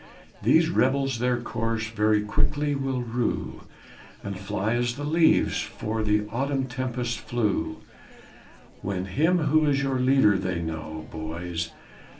These rebels their course very quickly will rue, And fly as the leaves 'fore the autumn tempest flew, When him who is your leader they know, boys!